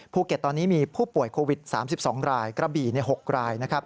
ภูเก็ตตอนนี้มีผู้ป่วยโควิด๓๒รายกระบี่๖รายนะครับ